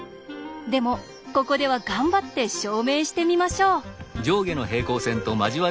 でもここでは頑張って証明してみましょう。